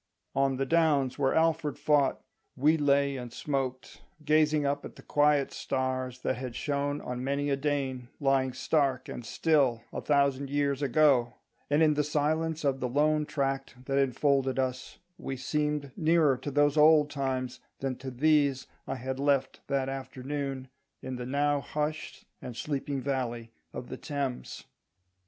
On the downs where Alfred fought we lay and smoked, gazing up at the quiet stars that had shone on many a Dane lying stark and still a thousand years ago; and in the silence of the lone tract that enfolded us we seemed nearer to those old times than to these I had left that afternoon, in the now hushed and sleeping valley of the Thames.